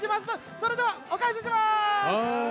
それでは、お返しします。